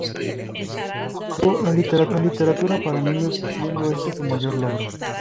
Cultivó la literatura para niños, siendo este su mayor logro.